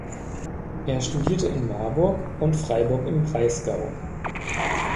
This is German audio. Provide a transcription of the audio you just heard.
Er studierte in Marburg und Freiburg im Breisgau.